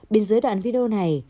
bên dưới đoạn video này